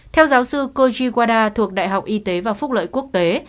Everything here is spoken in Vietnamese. theo giáo sư koji wada thuộc đại học y tế và phúc lợi quốc tế